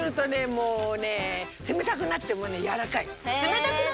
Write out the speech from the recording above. もうね冷たくなってもやわらかい。